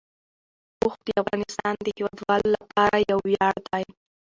اوښ د افغانستان د هیوادوالو لپاره یو ویاړ دی.